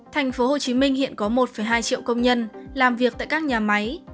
tp hcm hiện có một hai triệu công nhân làm việc tại các nhà máy